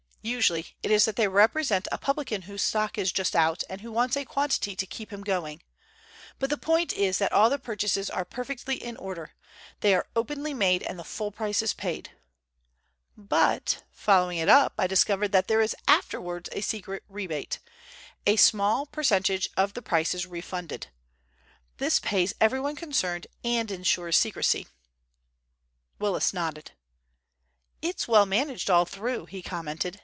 Usually it is that they represent a publican whose stock is just out, and who wants a quantity to keep him going. But the point is that all the purchases are perfectly in order. They are openly made and the full price is paid. But, following it up, I discovered that there is afterwards a secret rebate. A small percentage of the price is refunded. This pays everyone concerned and ensures secrecy." Willis nodded. "It's well managed all through," he commented.